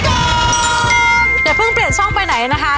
อย่าเพิ่งเปลี่ยนช่องไปไหนนะคะ